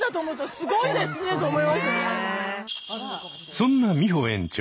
そんな美穂園長。